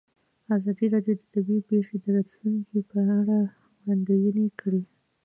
ازادي راډیو د طبیعي پېښې د راتلونکې په اړه وړاندوینې کړې.